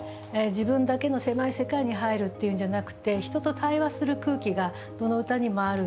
自分だけの狭い世界に入るっていうんじゃなくて人と対話する空気がどの歌にもある。